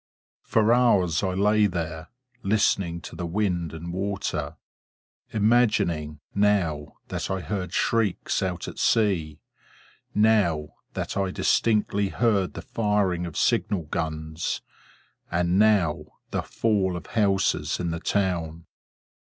For hours I lay there, listening to the wind and water; imagining, now, that I heard shrieks out at sea; now, that I distinctly heard the firing of signal guns; and now, the fall of houses in the town.